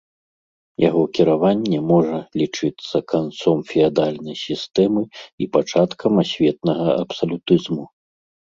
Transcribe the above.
Яго кіраванне можа лічыцца канцом феадальнай сістэмы і пачаткам асветнага абсалютызму.